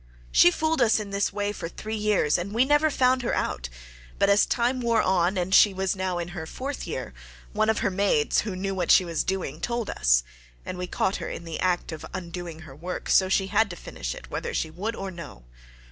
She fooled us in this way for three years and we never found her out, but as time wore on and she was now in her fourth year, one of her maids who knew what she was doing told us, and we caught her in the act of undoing her work, so she had to finish it whether she would or no.